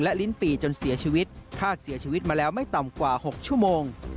ลิ้นปีจนเสียชีวิตคาดเสียชีวิตมาแล้วไม่ต่ำกว่า๖ชั่วโมง